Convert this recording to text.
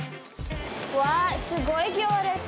うわあ、すごい行列。